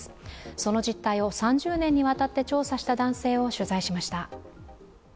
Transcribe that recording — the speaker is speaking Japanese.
その実態を３０年にわたって調査した男性を取材しました。